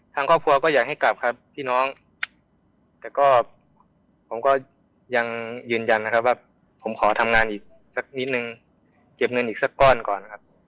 ทางครอบครัวก็อยากให้กลับครับพี่น้องแต่ก็ผมก็ยังยืนยันนะครับว่าผมขอทำงานอีกสักนิดนึงเก็บเงินอีกสักก้อนก่อนครับ